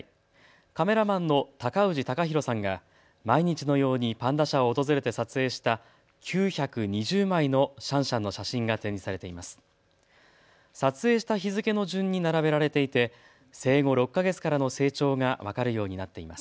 カメラマンの高氏貴博さんが毎日のようにパンダ舎を訪れて撮影した９２０枚のシャンシャンの写真が展示されています。